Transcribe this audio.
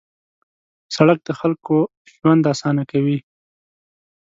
سړک د خلکو ژوند اسانه کوي.